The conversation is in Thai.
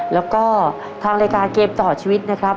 แล้วก็ทางรายการเกมต่อชีวิตนะครับ